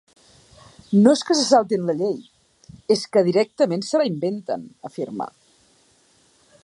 No és que se saltin la llei, és que directament se la inventen, afirma.